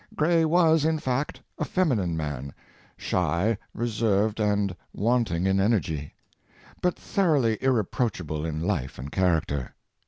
Gray was, in fact, a feminine man — shy, reserved, and wanting in energy — but thorough ly irreproachable in life and character.